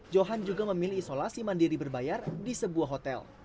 johan juga memilih isolasi mandiri berbayar di sebuah hotel